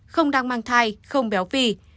không đang mang thai không béo phi